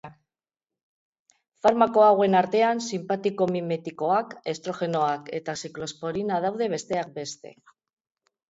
Farmako hauen artean sinpatikomimetikoak, estrogenoak eta ziklosporina daude besteak beste.